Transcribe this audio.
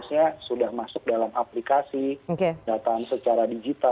sebenarnya sudah masuk dalam aplikasi datang secara digital